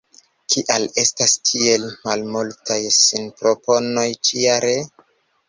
Kial estas tiel malmultaj sinproponoj ĉi-jare?